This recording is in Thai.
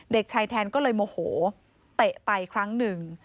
เด็กชายแทนก็เลยโมโหเตะไปครั้งหนึ่ง